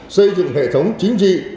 xây dựng hệ thống chính trị